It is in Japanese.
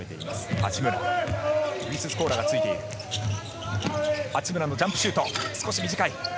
八村のジャンプシュート、少し短い。